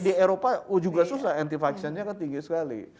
di eropa juga susah anti vaxxernya tinggi sekali